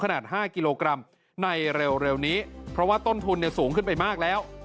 ขนาด๕กิโลกรัมในเร็วนี้เพราะว่าต้นทุนสูงขึ้นไปมากแล้ว